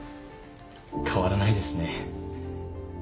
変わらないですね